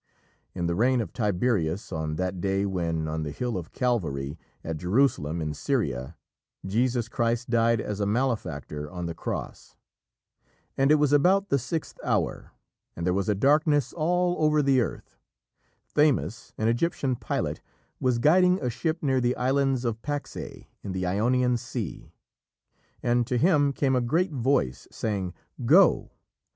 In the reign of Tiberius, on that day when, on the hill of Calvary, at Jerusalem in Syria, Jesus Christ died as a malefactor, on the cross "And it was about the sixth hour, and there was a darkness all over the earth" Thamus, an Egyptian pilot, was guiding a ship near the islands of Paxæ in the Ionian Sea; and to him came a great voice, saying, "Go!